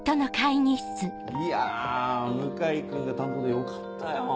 いや向井君が担当でよかったよ。